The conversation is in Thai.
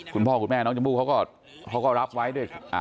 คุณพ่อคุณแม่น้องชมพู่เขาก็รับไว้ด้วย